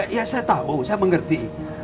ya saya tahu saya mengerti